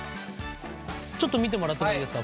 ちょっと見てもらってもいいですか。